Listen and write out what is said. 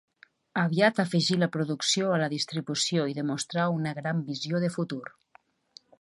Aviat afegí la producció a la distribució i demostrà una gran visió de futur.